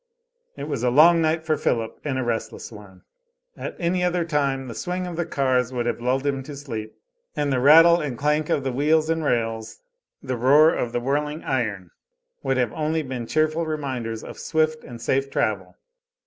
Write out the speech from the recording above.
It was a long night for Philip, and a restless one. At any other time the swing of the cars would have lulled him to sleep, and the rattle and clank of wheels and rails, the roar of the whirling iron would have only been cheerful reminders of swift and safe travel.